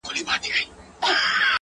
• تور وېښته می سپین په انتظار کړله ,